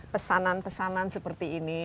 pesanan pesanan seperti ini